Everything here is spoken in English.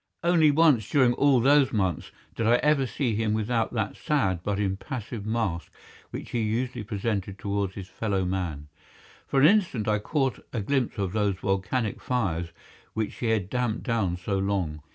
Only once during all those months did I ever see him without that sad but impassive mask which he usually presented towards his fellow man. For an instant I caught a glimpse of those volcanic fires which he had damped down so long.